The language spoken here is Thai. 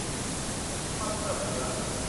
ความเอื้อเฟื้อ